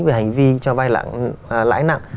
về hành vi cho vay lãi nặng